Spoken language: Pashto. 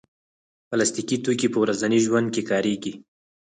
پلاستيکي توکي په ورځني ژوند کې کارېږي.